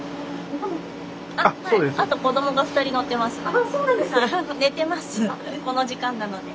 あっそうなんですね。